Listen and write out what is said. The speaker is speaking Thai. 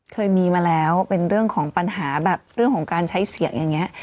เคยมีมาแล้วเป็นเรื่องของปัญหาแบบเรื่องของการใช้เสียงอย่างนี้